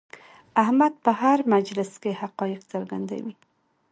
احمد په هر مجلس کې حقایق څرګندوي.